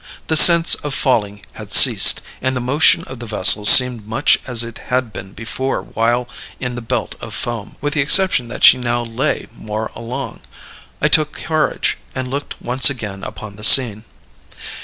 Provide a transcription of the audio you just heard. The sense of falling had ceased; and the motion of the vessel seemed much as it had been before while in the belt of foam, with the exception that she now lay more along. I took courage, and looked once again upon the scene.